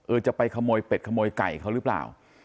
จะไปขโมยเป็ดขโมยไก่เขาหรือเปล่า